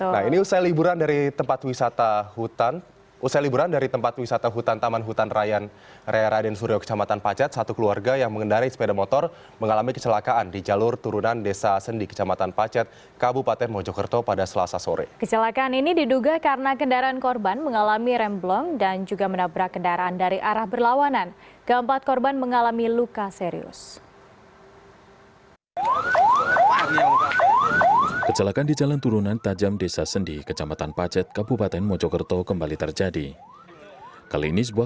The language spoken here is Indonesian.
nah ini usai liburan dari tempat wisata hutan usai liburan dari tempat wisata hutan taman hutan rayan raya raden surio kecamatan pacet satu keluarga yang mengendarai sepeda motor mengalami kecelakaan di jalur turunan desa sendik kecamatan pacet kabupaten mojokerto pada selasa sore